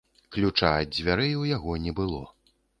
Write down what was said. Ключа ад дзвярэй у яго не было.